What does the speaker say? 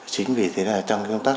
chính vì thế là trong công tác